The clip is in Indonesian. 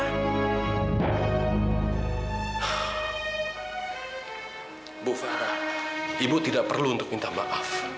ibu farah ibu tidak perlu minta maaf